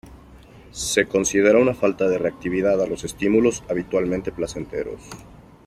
Se considera una falta de reactividad a los estímulos habitualmente placenteros.